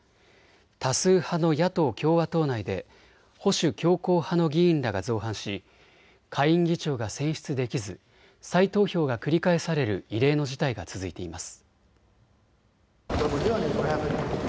多数派の野党・共和党内で保守強硬派の議員らが造反し下院議長が選出できず再投票が繰り返される異例の事態が続いています。